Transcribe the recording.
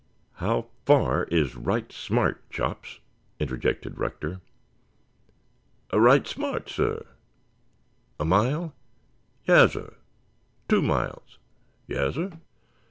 "How far is 'right smart,' Chops?" interjected Rector. "A right smart, sah." "A mile?" "Yassir." "Two miles?" "Yassir."